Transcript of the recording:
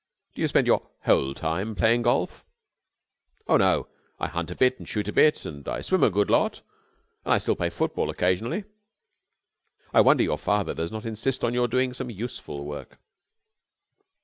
Do you spend your whole time playing golf?" "Oh, no. I hunt a bit and shoot a bit and I swim a good lot, and I still play football occasionally." "I wonder your father does not insist on your doing some useful work."